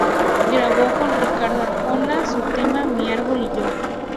Grabó con Ricardo Arjona su tema "Mi árbol y yo".